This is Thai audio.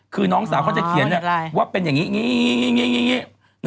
คือน้องสาวเขาจะเขียนเนี่ยว่าเป็นอย่างงี้